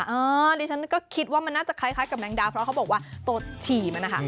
อันนี้ฉันก็คิดว่ามันน่าจะคล้ายกับแมงดาเพราะเขาบอกว่าตัวฉี่มันนะคะ